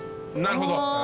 なるほど。